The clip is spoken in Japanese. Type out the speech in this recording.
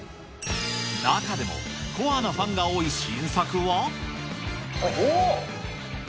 中でもコアなファンが多い新おっ！